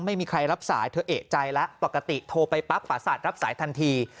ไม่มีใครรับสายเธอเอกใจแล้วปกติโทรไปปั๊บปราศาสตร์รับสายทันที